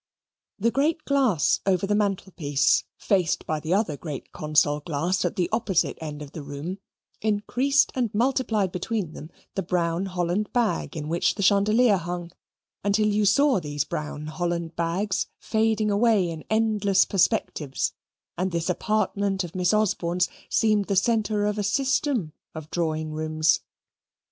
The great glass over the mantelpiece, faced by the other great console glass at the opposite end of the room, increased and multiplied between them the brown Holland bag in which the chandelier hung, until you saw these brown Holland bags fading away in endless perspectives, and this apartment of Miss Osborne's seemed the centre of a system of drawing rooms.